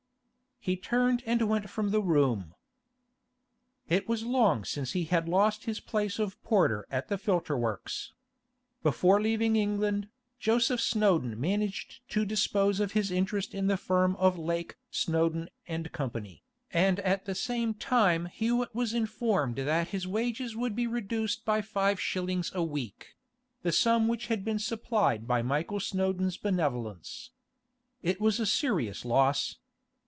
He turned and went from the room. It was long since he had lost his place of porter at the filter works. Before leaving England, Joseph Snowdon managed to dispose of his interest in the firm of Lake, Snowdon, & Co., and at the same time Hewett was informed that his wages would be reduced by five shillings a week—the sum which had been supplied by Michael Snowdon's benevolence. It was a serious loss.